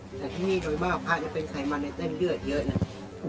แต่ที่นี่โดยบ้างข้าจะเป็นใครมาในเต้นเลือดเยอะน่ะ